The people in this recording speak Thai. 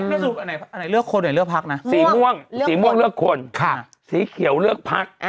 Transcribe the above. อันไหนเลือกคนอันไหนเลือกพักนะสีม่วงเลือกคนสีเขียวเลือกพัก